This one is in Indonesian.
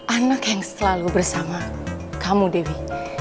anak yang selalu bersama kamu devi